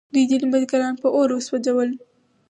دوی ځینې بزګران په اور وسوځول.